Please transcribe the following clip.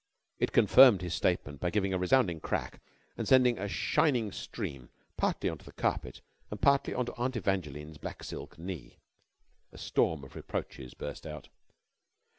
It confirmed his statement by giving a resounding crack and sending a shining stream partly on to the carpet and partly on to Aunt Evangeline's black silk knee. A storm of reproaches burst out.